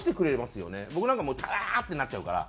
僕なんかもううわー！ってなっちゃうから。